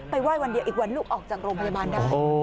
ไห้วันเดียวอีกวันลูกออกจากโรงพยาบาลได้